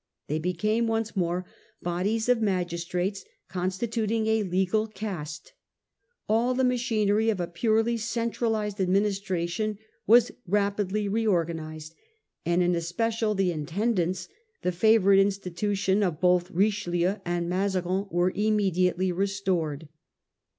They became once more bodies of magistrates, constituting a legal caste. All the machinery of a purely centralised administration was rapidly reorganised, and in especial the Intendants, the favourite institution of both Richelieu and Mazarin, were immediately restored.